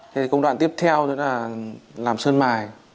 công đoạn tiếp theo là làm sơn mài